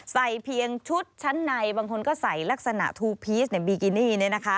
ใส่เพียงชุดชั้นในบางคนก็ใส่ลักษณะทูพีชในบีกินี่